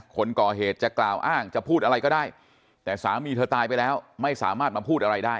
คนก่อเหตุจะกล่าวอ้างจะพูดอะไรก็ได้แต่สามีเธอตายไปแล้วไม่สามารถมาพูดอะไรได้